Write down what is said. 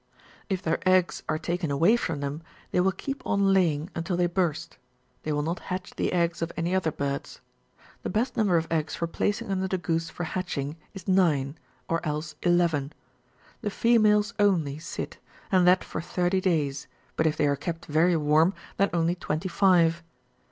If their eggs are taken away from them, they will keep on laying until they burst ; they will not hatch the eggs of any other birds. The best number of eggs for placing under the goose for hatching, is nine, or else eleven. The females only sit, and that for thirty days; but if thej^ are kept very warm, then only twenty five.